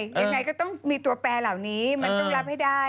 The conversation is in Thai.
ยังไงก็ต้องมีตัวแปรเหล่านี้มันต้องรับให้ได้